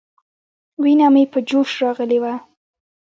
وينه مې په جوش راغلې وه.